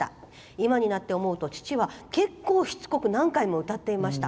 今になって思うと父は結構しつこく何回も歌っていました。